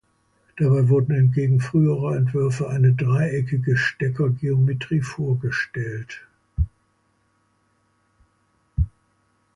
Dabei wurde entgegen früherer Entwürfe eine dreieckige Steckergeometrie vorgestellt.